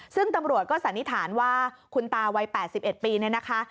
ซึ่งตำรวจก็สันนิษฐานว่าคุณตาวัย๘๑ปีเนี่ยนะคะ